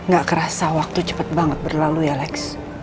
gak kerasa waktu cepet banget berlalu ya lex